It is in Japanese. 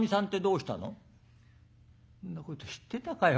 「んなこと知ってたかよ